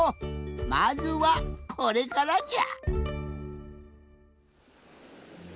まずはこれからじゃ！